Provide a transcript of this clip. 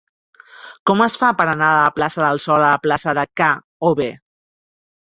Com es fa per anar de la plaça del Sol a la plaça de K-obe?